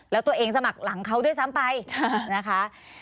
แล้วตัวเองสมัครหลังเขาด้วยซ้ำไปนะคะ